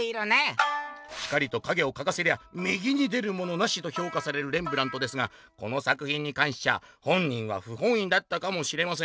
「『光と影を描かせりゃ右に出るものなし！』とひょうかされるレンブラントですがこの作ひんにかんしちゃ本人はふほんいだったかもしれません」。